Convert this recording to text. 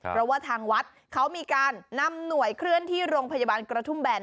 เพราะว่าทางวัดเขามีการนำหน่วยเคลื่อนที่โรงพยาบาลกระทุ่มแบน